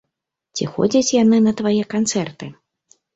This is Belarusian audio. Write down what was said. Ці ходзяць яны на твае канцэрты?